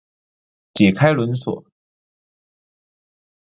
解開輪鎖